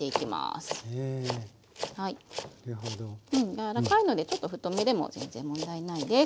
柔らかいのでちょっと太めでも全然問題ないです。